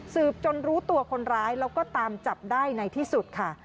จนรู้ตัวคนร้ายแล้วก็ตามจับได้ในที่สุดค่ะ